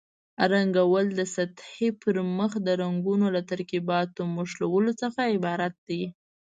رنګول د سطحې پر مخ د رنګونو له ترکیباتو مښلو څخه عبارت دي.